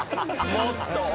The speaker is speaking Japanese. もっと奥。